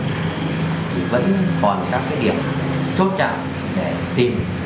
thì vẫn còn các cái điểm chốt chặn để tìm